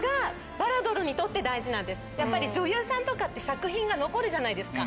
やっぱり女優さんとかって作品が残るじゃないですか。